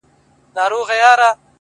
داده ميني ښار وچاته څه وركوي”